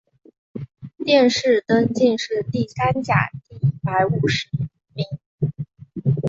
殿试登进士第三甲第一百五十名。